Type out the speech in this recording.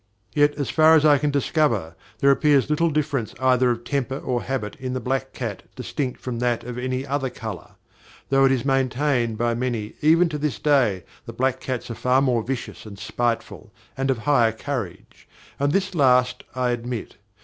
Yet, as far as I can discover, there appears little difference either of temper or habit in the black cat distinct from that of any other colour, though it is maintained by many even to this day that black cats are far more vicious and spiteful and of higher courage, and this last I admit.